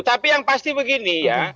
tapi yang pasti begini ya